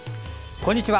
こんにちは。